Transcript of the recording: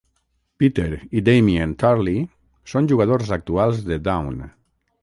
Peter i Damien Turley són jugadors actuals de Down.